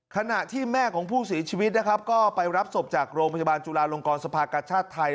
ขณะที่แม่ของผู้เสียชีวิตนะครับก็ไปรับศพจากโรงพยาบาลจุลาลงกรสภากชาติไทย